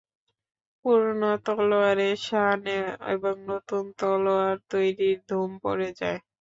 পুরনো তলোয়ারে শান এবং নতুন তলোয়ার তৈরীর ধুম পড়ে যায়।